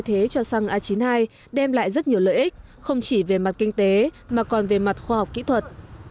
thay thế cho xăng a chín mươi hai đem lại rất nhiều lợi ích không chỉ về mặt kinh tế mà còn về mặt khoa học kỹ thuật